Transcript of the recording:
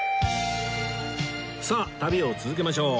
さあ旅を続けましょう